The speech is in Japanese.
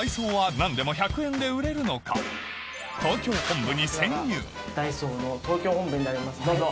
東京本部にダイソーの東京本部になりますどうぞ。